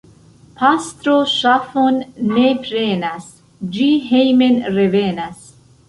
Pastro ŝafon ne prenas, ĝi hejmen revenas.